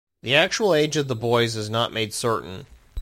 The actual age of the boys is not made certain.